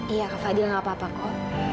iya kak fadil gak apa apa ko